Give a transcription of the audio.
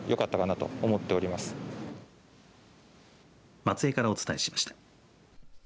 松江からお伝えしました。